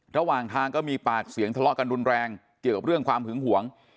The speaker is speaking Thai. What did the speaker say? ระหว่างทางก็มีปากเสียงทะเลาะกันรุนแรงเกี่ยวกับเรื่องความหึงหวง